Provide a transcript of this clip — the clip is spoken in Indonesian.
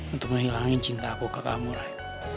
untuk menghilangin cinta aku ke kamu rey